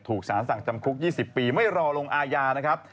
ถูกสารสั่งจำคุก๒๐ปีไม่รอลงอาญานะครับ